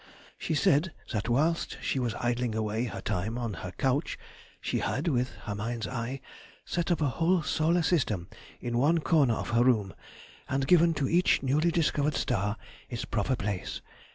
She said that whilst she was idling away her time on her couch she had—with her mind's eye—set up a whole solar system in one corner of her room, and given to each newly discovered star its proper place.